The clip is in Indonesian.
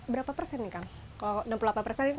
berapa persen nih kang kalau enam puluh delapan persen